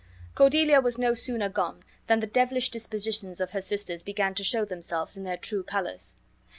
Cordelia was no sooner gone than the devilish dispositions of her sisters began to show themselves 'in their true colors.